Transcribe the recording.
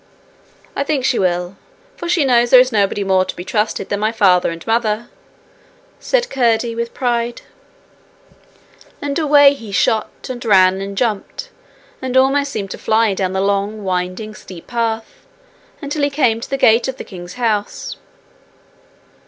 'I think she will, for she knows there is nobody more to be trusted than my father and mother,' said Curdie, with pride. And away he shot, and ran, and jumped, and seemed almost to fly down the long, winding, steep path, until he came to the gate of the king's house.